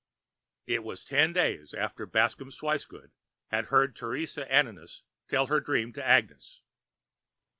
This was ten days after Bascomb Swicegood had heard Teresa Ananias tell her dream to Agnes.